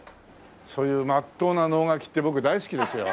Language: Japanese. そういうまっとうな能書きって僕大好きですよ。